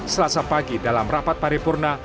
selasa pagi dalam rapat paripurna